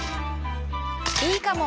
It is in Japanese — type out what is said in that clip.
いいかも！